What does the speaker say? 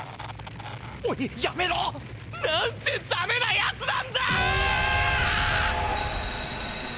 おいやめろ！なんてだめなやつなんだ！